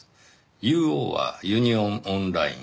ＵＯはユニオンオンライン。